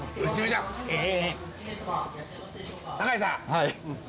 はい。